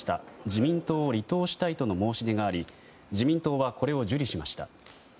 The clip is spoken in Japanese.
自民党を離党したいとの申し出があり自民党はこれを受理しました。